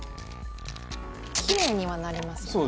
きれいにはなりますよね